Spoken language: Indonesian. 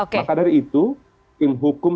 maka dari itu tim hukum